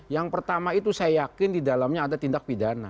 yang pertama itu saya yakin di dalamnya ada tindak pidana